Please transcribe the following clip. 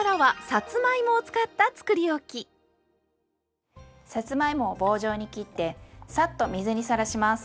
さつまいもは棒状に切ってサッと水にさらします。